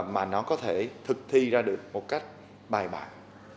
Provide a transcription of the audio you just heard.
mà nó có thể thực thi ra được một cách bài bản